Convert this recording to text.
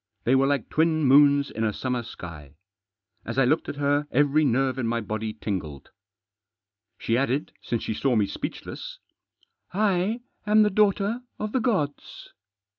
They were like twin moons in a summer sky. As I looked at her every nerve in my body tingled. She added, since she saw me speechless :" I am the daughter of the gods."